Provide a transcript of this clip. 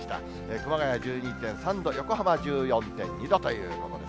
熊谷１２．３度、横浜１４．２度ということで。